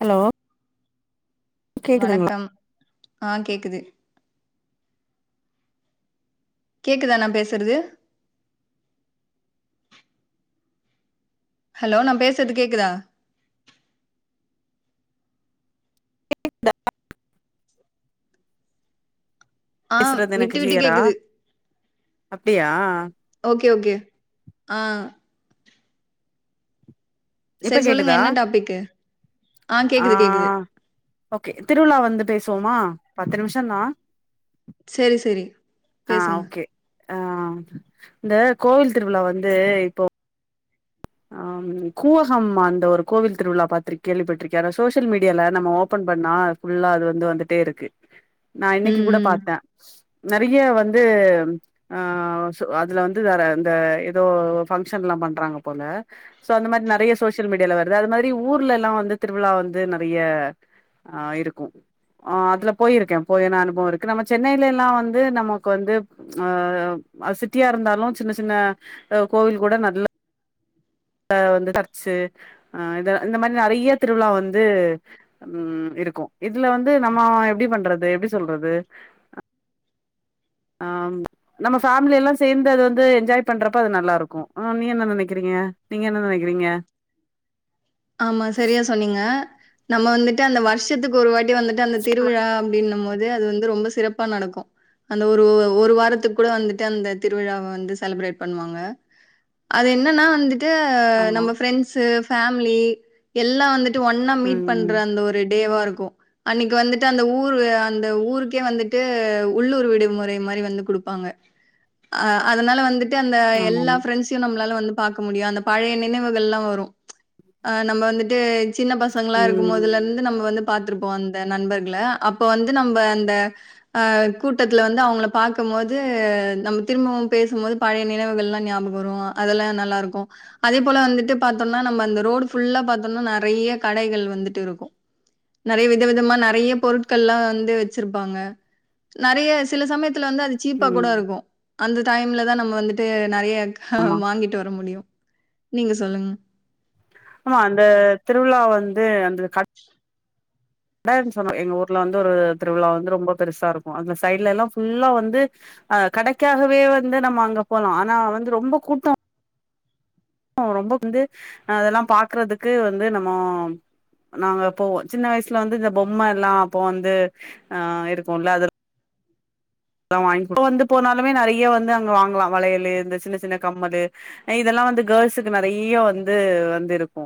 Hello கேக்குதுங்களா வணக்கம் ஆ கேக்குது கேக்குதா நா பேச்றது ஹலோ நா பேச்றது கேக்குதா ஆ பேச்றது எனக்கு விட்டு விட்டு க்ளியரா கேக்குது அப்டியா ஓகே ஓகே ஆ இப்ப சரி சொல்லுங்க கேக்குதா என்ன டாபிக்கு ஆ கேக்குது கேக்குது ஓகே திருவிழா வந்து பேசுவோமா பத்து நிம்ஷந்தா சேரி சேரி ஆ ஓகே ஆ இந்த கோவில் திருவிழா வந்து இப்போ ஆம் கூவகம் அந்த ஒரு கோவில் திருவிழா பாத்ருக் கேள்விப்பட்டிருக்கியா அ சோசியல் மீடியால நம்ம ஓபன் பண்ணா ஃபுல்லா அது வந்து வந்துட்டே இருக்கு நா இன்னைக்கு ம் கூட ம் பாத்த நெறைய வந்து ஆ சோ அதுல வந்து வேற இந்த ஏதோ ஃபங்ஷன்லா பண்றாங்க போல சோ அந்த மாரி நறைய சோசியல் மீடியால வருது அது மாரி ஊர்லல்லா வந்து திருவிழா வந்து நெறைய ஆ இருக்கு ஆ அதுல பொயிருக்கே போயின்ன அனுபவோ இருக்கு நம்ம சென்னைலல்லா வந்து நமக்கு வந்து ஆ சிட்டியா இருந்தாலு சின்ன சின்ன கோவில் கூட நல்ல ல வந்து சர்ச்சு ஆ இத இந்த மாரி நறைய திருவிழா வந்து ம் இருக்கு இதுல வந்து நம்ம எப்டி பண்றது எப்டி சொல்றது ஆம் நம்ம ஃபேம்லில்லா சேந்து அது வந்து என்ஜாய் பண்றப்ப அது நல்லா இருக்கு நீங்க என்ன நெனைக்கிறீங்க நீங்க என்ன நெனைக்கிறீங்க ஆமா சரியா சொன்னீங்க நம்ம வந்துட் டு அந்த வருஷத்துக்கு ஒரு வாட்டி வந்துட்டு அந்த திருவிழா அப்டின்னும்போது அது வந்து ரொம்ப சிறப்பா நடக்கு அந்த ஒரு ஒரு வாரத்துக்கு கூட வந்துட்டு அந்த திருவிழாவ வந்து செலப்ரேட் பண்ணுவாங்க அது என்னன்னா வந்துட் டு ஆமா நம்ம ஃப்ரெண்ட்ஸ்ஸு ஃபேம்லி எல்லா வந்துட்டு ஒண்ணா மீட் பண் ம் அந்த ஒரு டேவா இருக்கு அன்னைக்கு வந்துட்டு அந்த ஊரு அந்த ஊருக்கே வந்துட்டு உள்ளூர் விடுமுறை மாரி வந்து குடுப்பாங்க அ அதனால வந்துட்டு அந்த ஆமா எல்லா ஆமா ஃப்ரெண்ட்ஸையு நம்ளால வந்து பாக்க முடியு அந்த பழைய நினைவுகள் எல்லா வரு ஆ நம்ம வந்துட்டு சின்ன பசங்ளா இருக்கும்போதுல ம் இருந்து நம்ம வந்து பாத்ருப்போ அந்த நண்பர்கள அப்ப வந்து நம்ம அந்த அ கூட்டத்துல வந்து அவங்கள பாக்கும் போது நம்ம திரும்பவு பேசும்போது பழைய நினைவுகள் எல்லா ஞாபகோ வரு அதெல்லா நல்லா இருக்கு அதே போல வந்துட்டு பாத்தோன்னா நம்ம அந்த ரோடு ஃபுல்லா பாத்தோன்னா நெறைய கடைகள் வந்துட்டு இருக்கு நெறைய வித விதமா நெறைய பொருட்கள்லா வந்து வச்சிருப்பாங்க நெறைய சில சமயத்துல வந்து அது சீப்பா கூட ம் இருக்கு அந்த டைம்ல தா நம்ம வந்துட்டு நெறைய ஆமா வாங்கிட்டு வர முடியு நீங்க சொல்லுங்க ஆமா அந்த திருவிழா வந்து அந்த கட் டன் சொன்னோ எங்க ஊர்ல வந்து ஒரு திருவிழா வந்து ரொம்ப பெருசா இருக்கு அதுல சைடு்ல எல்லா ஃபுல்லா வந்து அ கடைக்காகவே வந்து நம்ம அங்க போலா ஆனா வந்து ரொம்ப கூட்டோ ஓ ரொம்ப வந்து அதெல்லா பாக்குறதுக்கு வந்து நம்மோ நாங்க போவோ சின்ன வயசுல வந்து இந்த பொம்மல்லா அப்போ வந்து ஆ இருக்குல்ல அது துலா வாங்கி குடு இப்ப வந்து போனாலுமே நெறைய வந்து அங்க வாங்கலா வளையலு இந்த சின்ன சின்ன கம்மலு இதெல்லா வந்து கேர்ள்ஸுக்கு நெறைய வந்து வந்து இருக்கு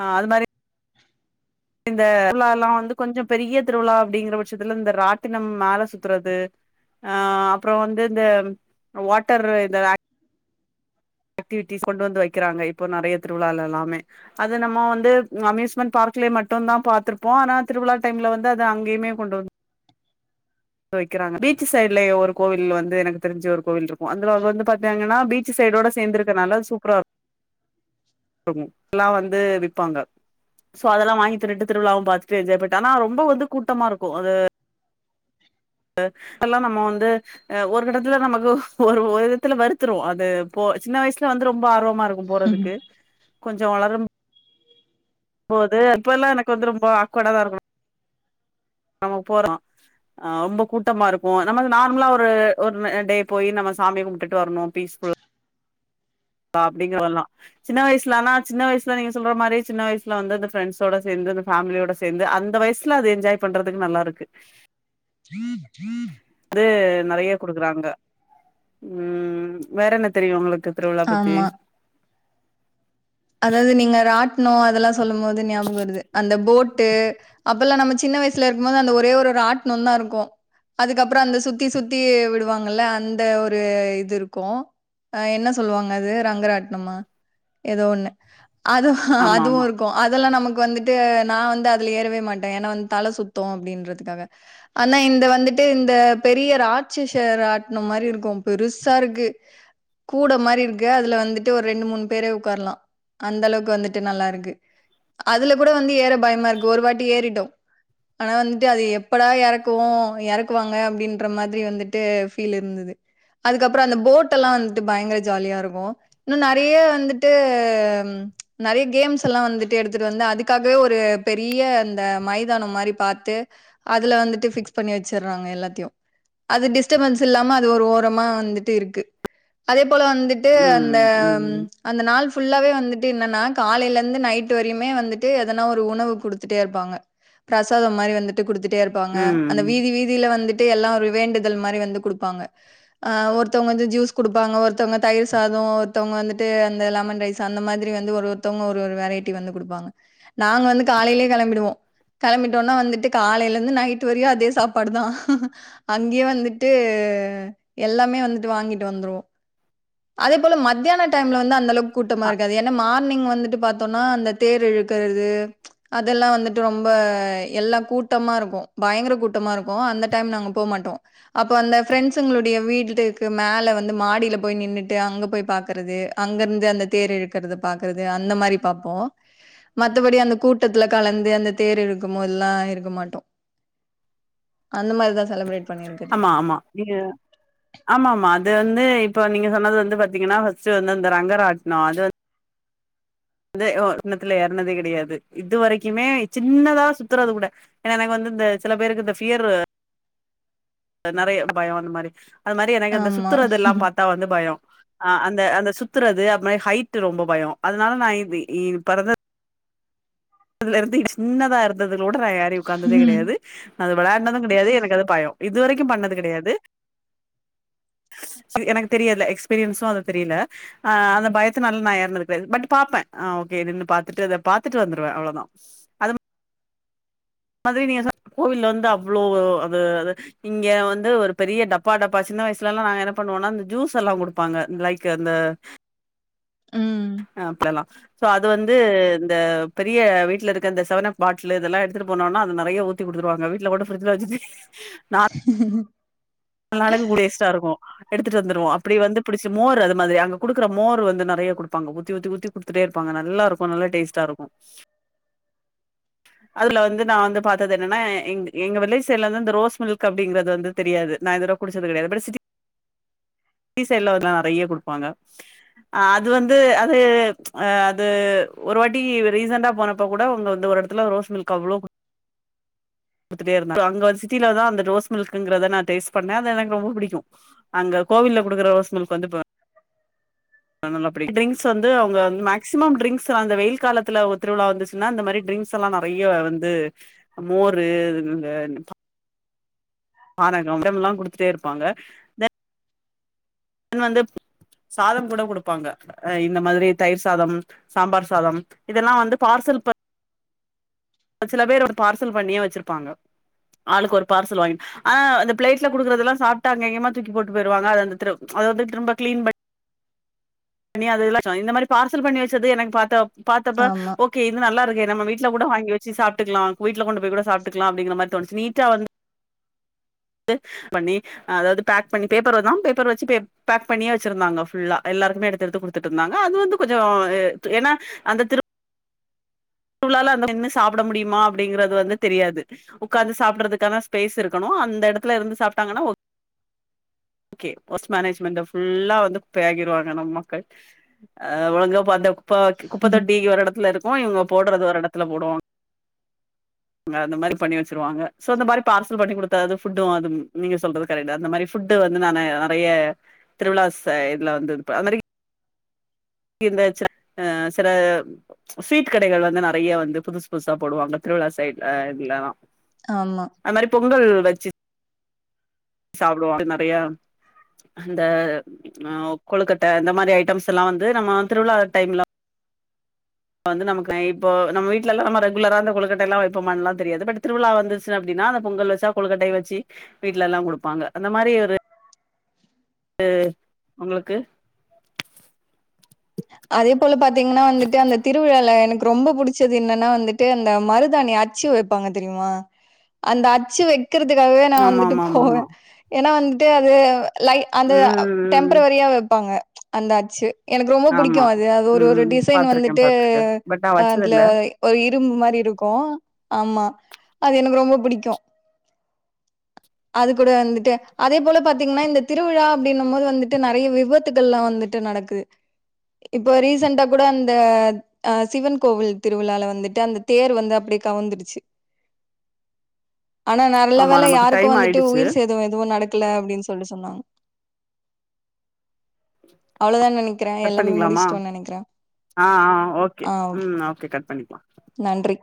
ஆ அது மாரி இந்த திருவிழாலா வந்து கொஞ்சோ பெரிய திருவிழா அப்படிங்கிற பட்சத்துல இந்த ராட்டினம் மேல சுத்துறது ஆ அப்புறோ வந்து இந்த வாட்டர் இந்த ஆக் ஆக்டிவிட்டிஸ் கொண்டு வந்து வைக்கிறாங்க இப்போ நெறைய திருவிழால எல்லாமே அது நம்ம வந்து அம்யூஸ்மெண்ட் பார்க்லே மட்டுந்தா பாத்திருப்போ ஆனா திருவிழா டைம்ல வந்து அது அங்கயுமே கொண்டு வந் வைக்கிறாங்க பீச் சைட்லே ஒரு கோவில் வந்து எனக்கு தெரிஞ்ச ஒரு கோவில் இருக்கு அ வந்து பாத்தாங்கன்னா பீச் சு சைடோட சேர்ந்திருக்கனால சூப்பரா இருக்கு ரக்கு எல்லா வந்து விப்பாங்க சோ அதெல்லா வாங்கி தின்னுட்டு திருவிழாவு பாத்துட்டு என்ஜாய் பண்ட்டு ஆனா ரொம்ப வந்து கூட்டமா இருக்கு அது அ தெல்லா நம்ம வந்து அ ஒரு கட்டத்துல நமக்கு ஒரு ஒரு எடத்துல வறுத்துரு அது போ சின்ன வயசுல வந்து ரொம்ப ஆர்வமா இருக்கு போறதுக்கு கொஞ்சோ வளரும் போது இப்ப எல்லா எனக்கு வந்து ரொம்ப ஆக்வர்டா தா இருக்ணு நம்ம போறோ அ ரொம்ப கூட்டமா இருக்கு நம்ம நார்மலா ஒரு ஒரு டே போய் நம்ம சாமிய கும்டுட்டு வரணு பீஸ் ஃபுல் பா அப்டி இப்பலா சின்ன வயசுலனா சின்ன வயசுல நீங்க சொல்ற மாரி சின்ன வயசல வந்து அந்த ஃப்ரெண்டஸோட சேந்து அந்த ஃபேமிலியோட சேந்து அந்த வயசுல அது என்ஜாய் பண்றதுக்கு நல்லா இருக்கு கழ்ழ் வந்து நெறைய குடுக்குறாங்க ம் வேற என்ன தெரியு உங்களுக்கு திருவிழா பத்தி ஆமா அதாவது நீங்க ராட்னோ அதெல்லா சொல்லும் போது ஞாபகோ வருது அந்த போட்டு அப்பெல்லா நம்ம சின்ன வயசுல இருக்கும்போது அந்த ஒரே ஒரு ராட்னந்தா இருக்கு அதுக்கப்றோ அந்த சுத்தி சுத்தி விடுவாங்கள்ள அந்த ஒரு இது இருக்கு அ என்ன சொல்வாங்க அது ரங்கராட்னமா ஏதோ ஒன்னு அது ஆமா அதுவு ஆமா இருக் கு அதெல்லா நமக்கு வந்துட்டு நா வந்து அதுல ஏறவே மாட்டே ஏனா வந்து தலை சுத்து அப்டின்றதுக்காக ஆனா இந்த வந்துட்டு இந்த பெரிய ராட்சச ராட்னம் மாரி இருக்கும் பெருசா இருக்கு கூட மாரி இருக்கு அதுல வந்துட்டு ஒரு ரெண்டு மூணு பேரு உக்காரலா அந்த அளவுக்கு வந்துட்டு நல்லா இருக்கு அதுல கூட வந்து ஏற பயமா இருக்கு ஒரு வாட்டி ஏறிட்டோம் ஆனா வந்துட்டு அது எப்படா எறக்குவோ எறக்குவாங்க அப்டின்ற மாதிரி வந்துட்டு ஃபீல் இருந்தது அதுக்கப்றோ அந்த போட் எல்லா வந்ட்டு பயங்கர ஜாலியா இருக்கு இன்னு நெறைய வந்துட்டு ம் நெறய கேம்ஸ் எல்லா வந்துட்டு எடுத்துட்டு வந்து அதுக்காகவே ஒரு பெரிய அந்த மைதானம் மாரி பாத்து அதுல வந்துட்டு பிக்ஸ் பண்ணி வச்சுறாங்க எல்லாத்தையு அது டிஸ்டர்பன்ஸ் இல்லாம அது ஒரு ஓரமா வந்துட்டு இருக்கு அதே போல வந்து டு அந்த ம் ம் அந்த நாள் புல்லாவே வந்துட் ட்டு என்னன்னா காலையில இருந்து நைட்டு வரையுமே வந்துட்டு எதனா ஒரு உணவு குடுத்துட்டே இருப்பாங்க பிரசாதோ வந்துட்டு குடுத்துடே இருப்பாங்க அந்த ம் வீதி வீதி தில வந்துட்டு எல்லா ஒரு வேண்டுதல் மாரி வந்து குடுப்பாங்க அ ஒருத்தவங்க வந்து ஜூஸ் குடுப்பாங்க ஒருத்தவங்க தயிர் சாதோ ஒருத்தவங்க வந்துட்டு அந்த லெமன் ரைஸ் அந்த மாதிர் ரி வந்து ஒரு ஒருத்தவங்க ஒரு ஒரு வெரைட்டி வந்து குடுப்பாங்க நாங்க வந்து காலையிலயே கெளம்பிடுவோ கெளம்பிட்டோன்னா வந்துட்டு காலையில இருந்து நைட் வரையு அதே சாப்பாடு தா அங்கேயே வந்துட்டு எல்லாமே வந்துட்டு வாங்கிட்டு வந்துருவோ அதே போல மத்தியான டைம்ல வந்து அந்த அளவுக் கூட்டமா இருக்காது ஏ மார்னிங் வந்துட்டு பாத்தோம்னா அந்த தேர் இழுக்கறது அதெல்லா வந்துட்டு ரொம்ப எல்லா கூட்டமா இருக்கு பயங்கர கூட்டமா இருக்கு அந்த டைம் நாங்க போமாட்டோ அப்ப அந்த பிரெண்ட்ஸுங்களுடைய வீட்டுட்டுக்கு மேல வந்து மாடியில போய் நின்னுட்டு அங்க போய் பாக்குறது அங்க இருந்து அந்த தேர் எழுக்குறது பாக்குறது அந்த மாரி பாபப்போ மத்தபடி அந்த கூட்டத்துல கலந்து அந்த தேர் இழுக்கு போதெல்லா இருக்க மாட்டோ அந்த மாரிதா செலப்ரேட் அம்மா அம்மா நீங்க ஆமா ஆமா அது வந்து இப்ப நீங்க சொன்னது வந்து பாத்தீங்கின்னா பர்ஸ்ட்ட் வந்து இந்த ரங்கரட்னோ அது வ அதே ஒ இன்னத்துல ஏறனதே கெடையாது இது வரைக்குமே சின்னதா சுத்துறது கூட ஏன்னா எனக்கு வந்து இந்த சில பேருக்கு இந்த ப்பியர் அது நெறய பயோ அந்மாரி அது மாரி எனக்கு இந்த ஆமா. சுத்துறதுல்லா பாத்தா வந்து பயோ ஆ அந்த அந்த சுத்துறது அது மாரி ஹைட் ரொம்ப பயோ அதனால நா இ பெறந்த அதுல இருந்து இ சின்னதா இருந்ததுலோட ஏறி உக்காந்ததே ம். கெடையாது அது விளயானது கெடையாது எனக்கு அது பயோ இதுவரைக்கு பண்ணது கெடையாது எனக்கு தெரியல எக்ஸ்பீரியன்ஸ் அது தெரியல ஆ அந்த பயத்துனால ஏறினது கெடையாது பட் பாப்பே ஓகே நின்னு பாத்துட்டு பாத்துட்டு வந்தே அவ் அவ்ளோதா மாதிரி நீங்க சொன் கோவில்ல வந்து அவ்ளோ அது அது இங்க வந்து ஒரு பெரிய டப்பா டப்பா சின்ன வயசுலல்லா நாங்க என்ன பண்ணுவோனா ஜூஸ் எல்லா குடுப் ப்பாங்க லைக் அந்த ம். அப்ல்லேல்லா சோ அது வந்து இந்த பெரிய வீட்லருக்க இந்த செவனப் பாட்டல இதெல்லா எடுத்துட்டு போனோனா அது நெறைய ஊ ஊத்தி குடுத்துடுவாங்க வீட்ல கூட ஃப்ரிட்ஜில்ல வச்சு நா [inaudible] அன்னால கூடே டேஸ்டாருக்கு எடுத்துட்டு வந்துருவோ அப்புடி வந்து புடுச் மோரு அது மாரி அங்க குடுக்குற மோரு வந்து நெறய குடுப்பாங்க ஊத்தி ஊத்தி ஊத்தி குடுத்துட்டே இருப்பாங்க நல்லா இருக்கு நல்லா டேஸ்ட்டா இருக்கு அதுல வந்து நா வந்து பாத்தது என்னன்னா எ எங்க வெள்ளேஸ் சைட் லவந்து ரோஸ் மில்க் அப்டிங்கது வந்து தெரியாது நா இந்த தடோ குடுச்சது கெடையாது அப்றோ சிட்டி சைட்லா வந்து நெறய குடுப்பாங்க அ அது வந்து அது அ அது ஒரு வாட்டி ரீசண்டா போனப்ப கூட அவுங்க வந்து ஒரு தில்லி ஒரு ரோஸ் மில்க் அவ்ளோ கு டுத்தே இருந்தா அங்க வந்து சிட்டிலதா அந்த ரோஸ் மில்க்ங்குறத நா டேஸ்ட் பண்ணே அது என ரொம்ப புடிக்கு அங்க கோவில்ல குடுக்குற ரோஸ் மில்க் இப்ப வந்து இப்போ டிரிங்ஸ் வந்து அவுங்க வ மேக்ஸிமம் டிரிங்ஸ் வந்து வெயில் காலத்துல அவுங்க திருவிழா வந்துச் இன்னு அந்த மாரி ட்ரிங்க்ஸலா நறைய வந்து மோரு இதுன் இது இந்த ன் பானகம் அன்டைமுல்லா குடுத்துட்டே இருப்பாங்க இன் வந்து சாதம் கூட குடுப்பாங்க அ இந்த மாதிரி தயிர் சாதம் சாம்பார் சாதம் இதெல்லா வந்து பார்சல் ப சில பேர் வந்து பார்சல் பண்ணியே வச்சிருப்பாங்க ஆளுக்கு ஒரு பார்சல் வாங்கி ஆ அந்த பிளேட்ல குடுக்குறதெல்லா சாப்ட்டு அங்கெங்யுமா தூக்கி போட்டு போய்ருவாங்க அத அந் எட்த்துரு அத வந்து திரும்ப கிளீன் ப ண்ணி அத இதுல வச்சோ இந்த மாரி பார்சல் பண்ணி வச்சது எனக்கு பாத்த பா்த்தப்ப ஆமா. ஓ கே இது நல்லா இருக்கே நம்ம வீட்ல கூட வாங்கி வச்சு சாப்ட்டுக்குலா வீட்ல கொண்டு போய் கூட சாப்ட்டுக்குலா அபடிங்கிற மாரி தோணுச்சு நீட்டா வந் து பண்ணி அதாவ்து பேக் பண்ணி பேப்பர்லதா பேப்பர் வச்சு பே பேக் பண்ணியே வச்சிருந்தாங்க ஃபுல்லா எல்லாருக்குமே எடுத்து எடுத்து குடுத்துட்டிர்ந்தாங்க அது வந்து கொஞ்சோ ஏ து ஏனா அந்த திரு வுழால அந்த நின்னு சாப்புட முடியுமா அப்டிங்கிறது வந்து தெரியாது உக்காந்து சாப்டுறதுக்கான ஸ்பேஸ் இருக்கணு அந்த எடத்துல இருந்து சாப்ட்டாங்கனா ஓ கே போஸ்ட் மேனேஜ்மெண்ட ஃபுல்லா வந்து குப்பாயாக்கிருவாங்க நம்மக்கள் ஆ ஒழுங்கா இப்ப அந்த குப்ப குப்ப தொட்டி ஒரு எடத்துல இருக்கு இவுங்க போடுறது ஒரு எடத்துல போடுவாங் இங்க அந்த மாதிரி பண்ணி வச்சிருவாங்க சோ அந்த மாரி பார்சல் பண்ணி குடுத்தாது ஃபுட்டு அதும் நீங்க சொல்றதுக் கரெக்ட்டு அந்த மாரி ஃபுட்டு வந்து நானு நெறைய திருவிழாஸ் சை இதுல வந்து பா அது மாரி இந்த அச்சுலா அ சில ஸ்வீட் கடைகள் வந்து நெறையா வந்து புதுசு புதுசா போடுவாங்க திருவிழா சைட்ல இதுலலா ஆமா அது மாரி பொங்கல் வச்சு சாப்டுவான்ட்டு நெறையா அந்த அ கொழுக்கட்ட அந்த மாரி ஐட்டம்ஸுல்லா வந்து நம்ம திருவிழா டைம்லா வந்து நமக்கு இப்போ நம் வீட்லலா நம்ம ரெகுலரா அந்த கொழுக்கட்டல்லா வைப்போமான்லா தெரியாது திருவிழா வந்துச்சு அப்டினா அந்த பொங்கல் வஸ் ட்டா கொழுக்கட்டை வச்சு வீட்லலா குடுப்பாங்க அந்த மாரி ஒரு து உங்ளுக்கு அதே போல பாத்தீங்கனா வந்துட்டு அந்த திருவிழால எனக்கு ரொம்ப புடிச்சது என்னனா வந்துட்டு அந்த மருதாணி அ ச்சு வைப்பாங்க தெரியுமா அந்த அச்சு வை க்கிறதுக்காகவே நான் வந்துட்டு போவ ஆமாமாமாமா ஏனா வந்துட்டு அது லை அந்த ம் ம் டெம்ப்ரவரியா வைப்பாங்க அந்த அச்சு எனக்கு ரொம்ப புடிக் கு ஆமா அது அது ஒரு ஒரு ம் டிசைன் பாத்துருக்கே வந்துட்டு பாத்துருக்கே பட் நா அதுல வச்சதில்ல ஒரு இரும்பு மாரி இருக்கு ஆமா அது எனக்கு ரொம்ப பிடிக்கு அது கூட வந்துட்டு அதே போல பாத்தீங்னா இந்த திருவிழா அப்டின்னுமோது வந்துட்டு நெறைய விபத்துகள்லா வந்துட்டு நடக் கு இப்போ ரீசன்ட்டா கூட அந்த ஆ சிவன் கோவில் திருவிழால வந்துட்டு அந்த தேர் வந்து அப்டியே கவுந்துடுச்சு ஆனா நல்ல ஆமா வேல நமக்கு யாருக்கு டைம் வந்துட்டு ஆயிடுச்சு உயிர் சேதோ எதுவு நடக்குல அப்டின் சொல்லி சொன்னாங் அவுளோதான் நெனைக்கிற கட் எல்லாமே பண்ணிக்கலாமா முடிஸ்டோன் நெனைக்ற ஆ ஆ ஓகே ம் ஓகே கட் பண்ணிக்லா நன்றி